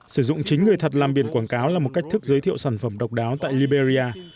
sử dụng chính người thật làm biển quảng cáo là một cách thức giới thiệu sản phẩm độc đáo tại liberia